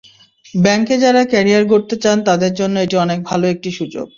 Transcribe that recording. ব্যাংকে যাঁরা ক্যারিয়ার গড়তে চান তাঁদের জন্য এটি অনেক ভালো একটি সুযোগ।